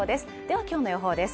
は今日の予報です。